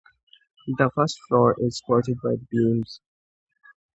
The first floor is supported by beams.